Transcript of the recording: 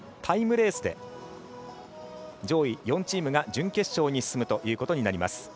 タイムレースで上位４チームが準決勝に進むということになります。